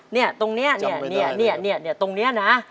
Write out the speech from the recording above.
เนี่ยตรงเนี่ยเนี่ยเนี่ยเนี่ยเนี่ยเนี่ยตรงเนี่ยนะ